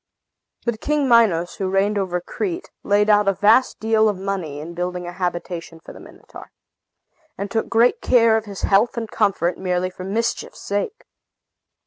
But King Minos, who reigned over Crete, laid out a vast deal of money in building a habitation for the Minotaur, and took great care of his health and comfort, merely for mischief's sake.